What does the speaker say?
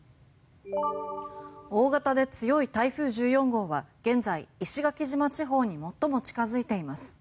大型で強い台風１４号は現在石垣島地方に最も近づいています。